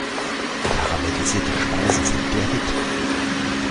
Karamellisierte Speisen sind der Hit!